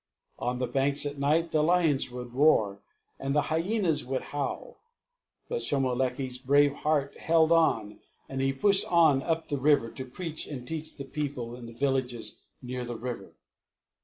On the banks at night the lions would roar, and then the hyenas would howl; but Shomolekae's brave heart held on, and he pushed on up the river to preach and teach the people in the villages near the river.